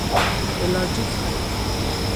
ელარჯი ცხელი